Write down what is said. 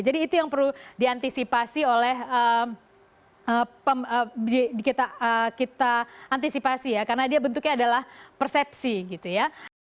jadi itu yang perlu diantisipasi oleh kita antisipasi ya karena dia bentuknya adalah persepsi gitu ya